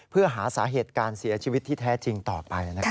เพื่อหาสาเหตุการเสียชีวิตที่แท้จริงต่อไปนะครับ